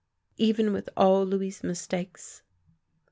" Even with all Louis' mistakes?